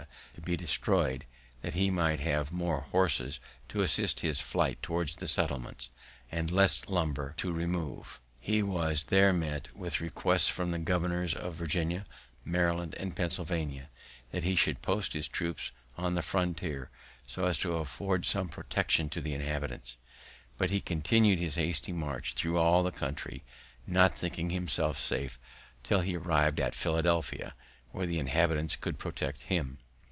to be destroy'd, that he might have more horses to assist his flight towards the settlements, and less lumber to remove. He was there met with requests from the governors of Virginia, Maryland, and Pennsylvania, that he would post his troops on the frontier, so as to afford some protection to the inhabitants; but he continued his hasty march thro' all the country, not thinking himself safe till he arrived at Philadelphia, where the inhabitants could protect him.